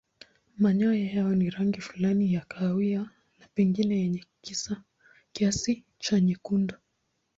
Manyoya yao ni rangi fulani ya kahawia na pengine yenye kiasi cha nyekundu.